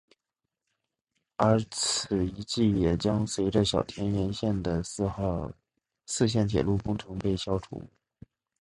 而此遗迹也将随着小田原线的四线铁路工程被消除。